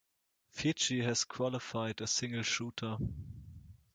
Fiji has qualified a single shooter.